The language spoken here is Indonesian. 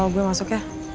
gue masuk ya